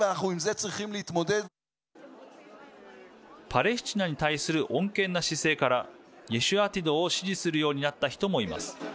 パレスチナに対する穏健な姿勢からイェシュアティドを支持するようになった人もいます。